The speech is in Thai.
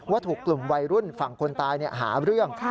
ถูกกลุ่มวัยรุ่นฝั่งคนตายหาเรื่อง